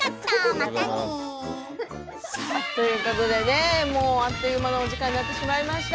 またねー！ということでねもうあっという間のお時間になってしまいました。